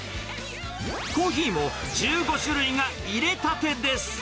コーヒーも１５種類がいれたてです。